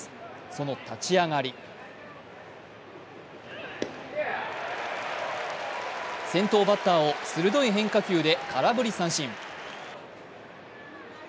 その立ち上がり先頭バッターを鋭い変化球で空振り三振。